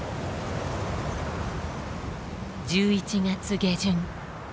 １１月下旬。